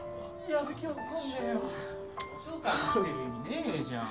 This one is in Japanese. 図書館来てる意味ねえじゃん